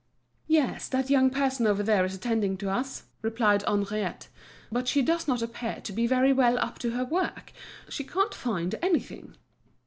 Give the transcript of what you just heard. "Yes, that young person over there is attending to us," replied Henriette. "But she does not appear to be very well up to her work; she can't find anything."